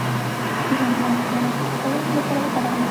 د هندواڼې دانه د پښتورګو لپاره وکاروئ